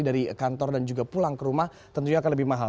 dari kantor dan juga pulang ke rumah tentunya akan lebih mahal